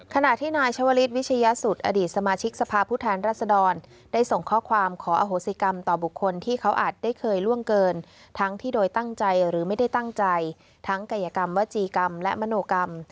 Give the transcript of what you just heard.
ขณะที่นายชวลิศวิชยสุทธิ์อดีตสมาชิกสภาพผู้แทนรัศดรได้ส่งข้อความขออโหสิกรรมต่อบุคคลที่เขาอาจได้เคยล่วงเกินทั้งที่โดยตั้งใจหรือไม่ได้ตั้งใจทั้งกายกรรมวจีกรรมและมโนกรรม